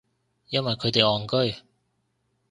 因為佢哋戇居